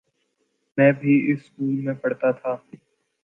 میں بھی اسی سکول میں پڑھتا تھا۔